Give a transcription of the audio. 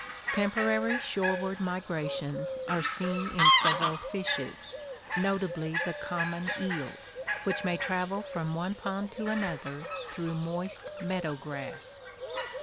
Temporary shoreward migrations are seen in several fishes, notably the common eel, which may travel from one pond to an other through moist meadow grass.